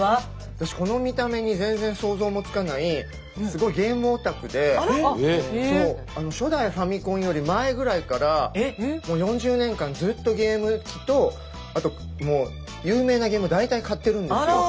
私この見た目に全然想像もつかない初代ファミコンより前ぐらいからもう４０年間ずっとゲーム機とあと有名なゲームを大体買ってるんですよ。